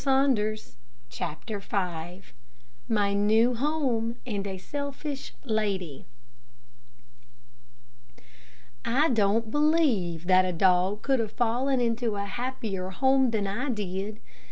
CHAPTER V MY NEW HOME AND A SELFISH LADY I don't believe that a dog could have fallen into a happier home than I did.